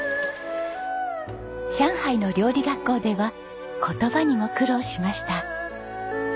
上海の料理学校では言葉にも苦労しました。